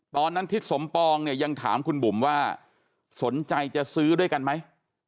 ตอนนั้นทิศสมปองเนี่ยยังถามคุณบุ๋มว่าสนใจจะซื้อด้วยกันไหม